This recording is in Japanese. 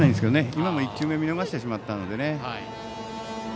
今も１球目見逃してしまったので。